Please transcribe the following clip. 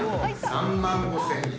３万５，０００円。